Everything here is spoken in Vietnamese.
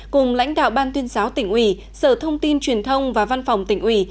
cùng lãnh đạo ban tuyên giáo tỉnh ủy sở thông tin truyền thông và văn phòng tỉnh ủy